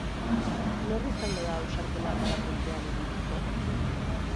Nor izango da ausartena parapentean ibiltzeko?